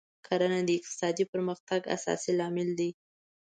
کرنه د اقتصادي پرمختګ اساسي لامل دی.